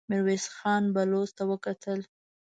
ميرويس خان بلوڅ ته وکتل.